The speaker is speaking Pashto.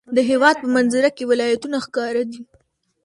د هېواد په منظره کې ولایتونه ښکاره دي.